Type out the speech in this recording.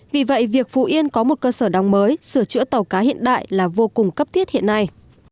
vì vậy việc phú yên có một cơ sở đóng mới sửa chữa tàu cá hiện đại là vô cùng cấp thiết hiện nay